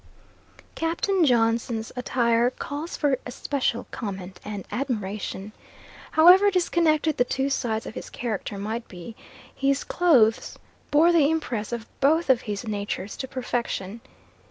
Captain Johnson's attire calls for especial comment and admiration. However disconnected the two sides of his character might be, his clothes bore the impress of both of his natures to perfection.